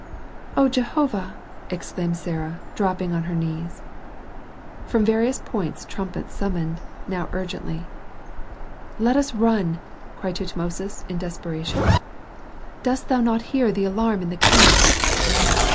"O Jehovah!" exclaimed Sarah, dropping on her knees. From various points trumpets summoned, now urgently. "Let us run!" cried Tutmosis, in desperation. "Dost thou not hear the alarm in the camp?"